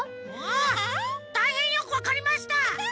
あたいへんよくわかりました。